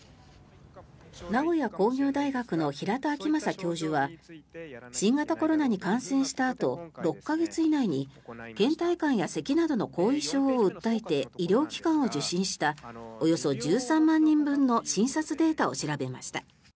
名古屋工業大学の平田晃正教授は新型コロナに感染したあと６か月以内にけん怠感やせきなどの後遺症を訴えて医療機関を受診したおよそ１３万人分の診察データを調べました。